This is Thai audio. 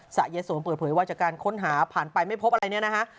ยายสมเปิดเผยว่าจากการค้นหาผ่านไปไม่พบอะไรเนี่ยนะฮะ